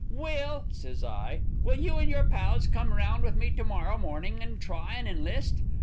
"'Well,' says I, 'will you and your pals come round with me to morrow morning an' try and enlist?'